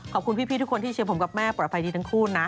ขอบคุณพี่ทุกคนที่เชียร์ผมกับแม่ปลอดภัยดีทั้งคู่นะ